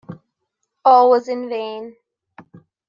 All was in vain.